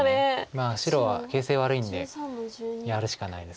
まあ白は形勢悪いんでやるしかないです。